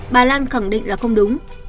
bà lan khẳng định là không đúng